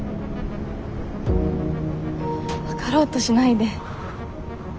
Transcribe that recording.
分かろうとしないで。